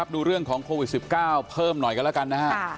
ดูเรื่องของโควิด๑๙เพิ่มหน่อยกันแล้วกันนะฮะ